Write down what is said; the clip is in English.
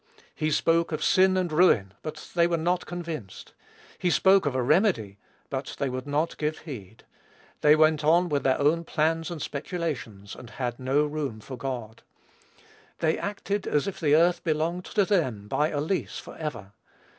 He spoke of sin and ruin; but they were not convinced. He spoke of a remedy; but they would not give heed. They went on with their own plans and speculations, and had no room for God. They acted as if the earth belonged to them, by a lease, forever.